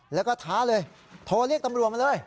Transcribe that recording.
แล้วก็ท้าเลยโทรเรียกตำรวจมาเลย